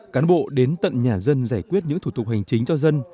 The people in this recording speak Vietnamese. cán bộ đến tận nhà dân giải quyết những thủ tục hành chính cho dân